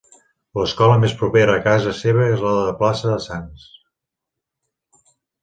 L'escola més propera a casa seva és la de plaça de Sants.